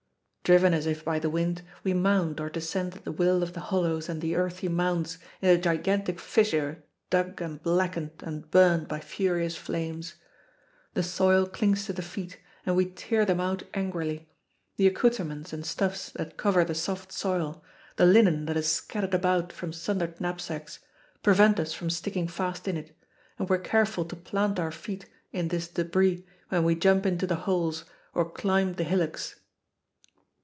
Driven as if by the wind, we mount or descend at the will of the hollows and the earthy mounds in the gigantic fissure dug and blackened and burned by furious flames. The soil clings to the feet and we tear them out angrily. The accouterments and stuffs that cover the soft soil, the linen that is scattered about from sundered knapsacks, prevent us from sticking fast in it, and we are careful to plant our feet in this debris when we jump into the holes or climb the hillocks.